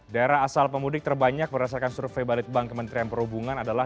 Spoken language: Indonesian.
daerah asal pemudik terbanyak berdasarkan survei balitbank kementerian perhubungan adalah